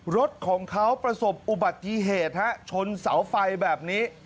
รถของเขาประสบอุบัติเหตุฮะชนเสาไฟแบบนี้